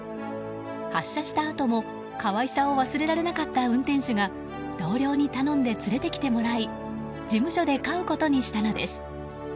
発車したあとも、可愛さを忘れられなかった運転手が同僚に頼んで連れてきてもらい事務所で飼うことにしたのです。